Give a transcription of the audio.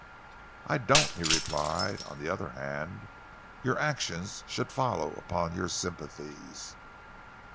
"I don't," he replied. "On the other hand, your actions should follow upon your sympathies.